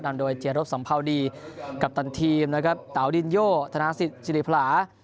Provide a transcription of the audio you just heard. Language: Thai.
นำโดยเจรบสัมภาวดีกัปตันทีมนะครับเต๋าดินโยธนาสิทธิสิริพลา